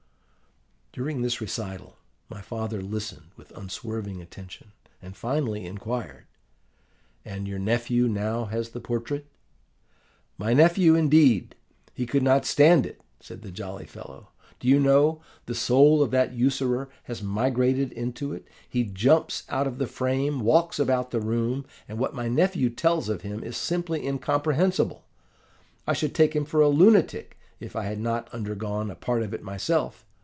"During this recital my father listened with unswerving attention, and finally inquired, 'And your nephew now has the portrait?' "'My nephew, indeed! he could not stand it!' said the jolly fellow: 'do you know, the soul of that usurer has migrated into it; he jumps out of the frame, walks about the room; and what my nephew tells of him is simply incomprehensible. I should take him for a lunatic, if I had not undergone a part of it myself.